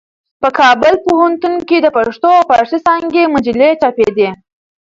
په کابل پوهنتون کې د پښتو او فارسي څانګې مجلې چاپېدې.